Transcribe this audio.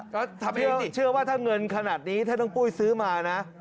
ก็ทำเองสิเชื่อว่าถ้าเงินขนาดนี้ถ้าน้องปุ้ยซื้อมานะ